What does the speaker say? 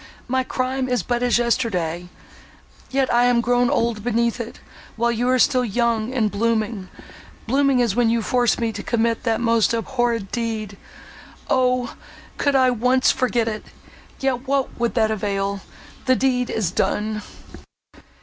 My crime is but as yesterday.—Yet I am grown old beneath it; while you are still young and blooming—blooming as when you forced me to commit that most abhorred deed! O! could I once forget it!—yet what would that avail?—the deed is done!"